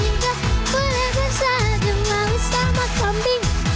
jangan boleh bersedih malu sama kambing